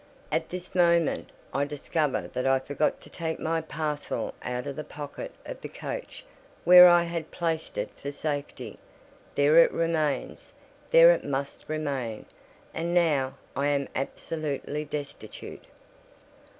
At this moment I discover that I forgot to take my parcel out of the pocket of the coach, where I had placed it for safety; there it remains, there it must remain; and now, I am absolutely destitute.